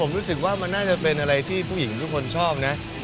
ผมรู้สึกว่ามันน่าจะเป็นอะไรที่ผู้หญิงทุกคนชอบนะ